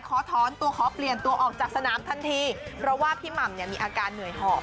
ขอถอนตัวขอเปลี่ยนตัวออกจากสนามทันทีเพราะว่าพี่หม่ำเนี่ยมีอาการเหนื่อยหอบ